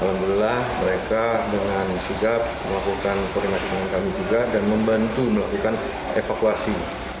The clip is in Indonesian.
alhamdulillah mereka dengan sigap melakukan koordinasi dengan kami juga dan membantu melakukan evakuasi